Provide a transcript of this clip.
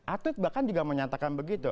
atlet bahkan juga menyatakan begitu